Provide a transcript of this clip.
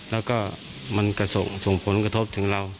แล้วก็มันก็ส่งผลกระทบถึงเรา